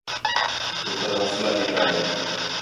پُتر حوصلہ ݙِتّا ہِے